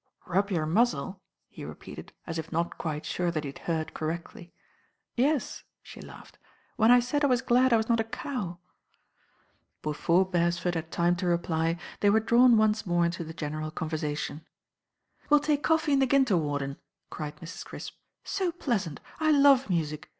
"Rub your muzzle!" he repeated, as if not quite sure that he had heurd correctly. , "Yes," she laughed. "When I said I was glad I was not a cow." Before Beresford had time to reply they were drawn once more into the general conversation. "We'll take coffee in the ginter warden," cried Mrs. Crisp. "So pleasant. I love music.